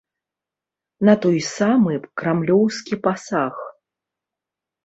На той самы крамлёўскі пасаг.